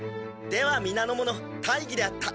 では皆の者大儀であった。